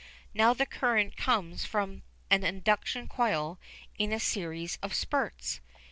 Now the current comes from an induction coil in a series of spurts.